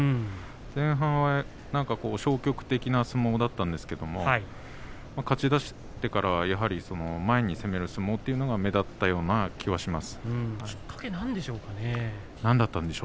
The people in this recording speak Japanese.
前半は、なんか消極的な相撲だったんですけど勝ちだしてから、やはり前に攻める相撲というのが目立ったような気はします。